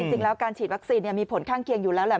จริงแล้วการฉีดวัคซีนมีผลข้างเคียงอยู่แล้วแหละ